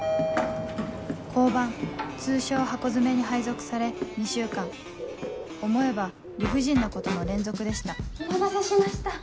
交番通称「ハコヅメ」に配属され２週間思えば理不尽なことの連続でしたお待たせしました。